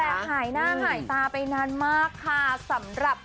แต่หายหน้าหายตาไปนานมากค่ะ